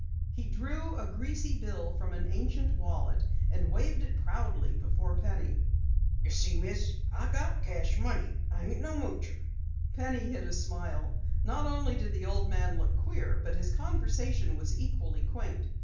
He drew a greasy bill from an ancient wallet and waved it proudly before Penny. "Ye see, Miss, I got cash money. I ain't no moocher." Penny hid a smile. Not only did the old man look queer but his conversation was equally quaint.